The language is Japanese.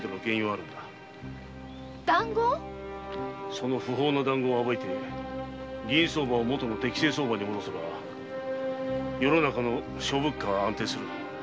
その不法な談合を暴いて銀相場をもとの適性相場に戻せば世の中の諸物価は安定する。